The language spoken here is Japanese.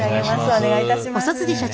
お願いいたします。